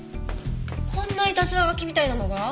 こんないたずら書きみたいなのが？